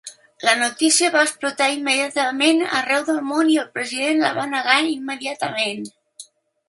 La notícia va explotar immediatament arreu del món i el president la va negar immediatament.